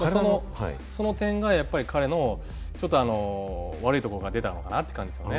その点がやっぱり彼のちょっと悪いところが出たのかなという感じですよね。